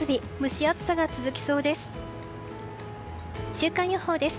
週間予報です。